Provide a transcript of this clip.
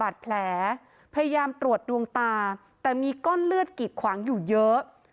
แต่มีก้อนเลือดกิดขวางอยู่เยอะ